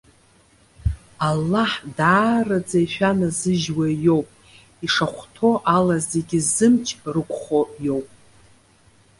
Аллаҳ даараӡа ишәаназыжьуа иоуп, ишахәҭоу ала зегьы зымч рықәхо иоуп.